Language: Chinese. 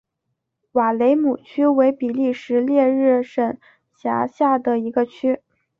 瓦雷姆区为比利时列日省辖下的一个区。